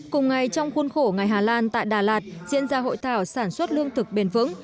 cùng ngày trong khuôn khổ ngày hà lan tại đà lạt diễn ra hội thảo sản xuất lương thực bền vững